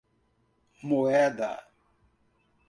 Moeda